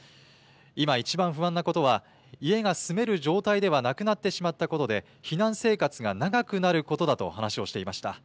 今いちばん不安なことは、家が住める状態ではなくなってしまったことで、避難生活が長くなることだと話をしていました。